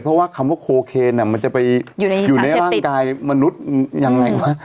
เพราะว่าคำว่าโคเคนมันจะไปอยู่ในร่างกายมนุษย์ยังไงวะ